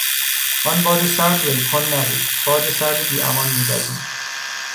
آن باد سرد ول کن نبود، باد سرد بیامان میوزید.